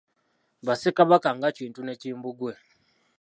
Ba ssekabaka nga Kintu ne Kimbugwe.